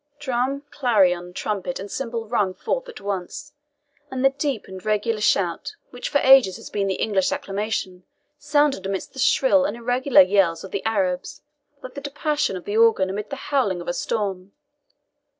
Drum, clarion, trumpet, and cymbal rung forth at once, and the deep and regular shout, which for ages has been the English acclamation, sounded amidst the shrill and irregular yells of the Arabs, like the diapason of the organ amid the howling of a storm.